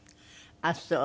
あっそう。